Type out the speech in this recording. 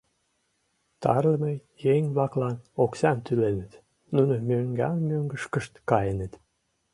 Тарлыме еҥ-влаклан оксам тӱленыт, нуно мӧҥган-мӧҥгышкышт каеныт.